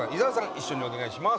一緒にお願いします。